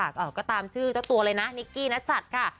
ก็ตามชื่อเจ้าตัวเลยนะนิกกี้นัชัดค่ะ